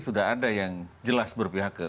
sudah ada yang jelas berpihak ke